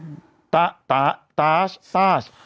อืมตตตาตาช์ตาช์